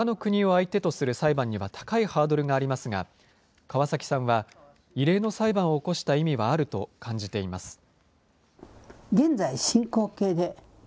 ほかの国を相手とする裁判には高いハードルがありますが、川崎さんは異例の裁判を起こした意味はあると感じています。